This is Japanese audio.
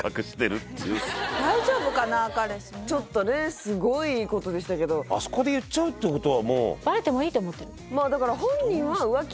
彼氏ちょっとねすごいことでしたけどあそこで言っちゃうってことはバレてもいいって思ってる？